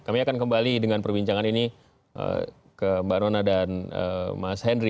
kami akan kembali dengan perbincangan ini ke mbak rona dan mas henry